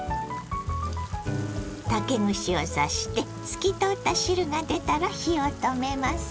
竹串を刺して透き通った汁が出たら火を止めます。